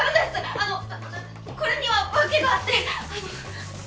あのこれにはわけがあってあの。